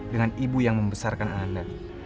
dengan ibu yang membesarkan anda